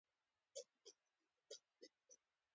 دا پلانونه په کرایي ډول تطبیقېدل.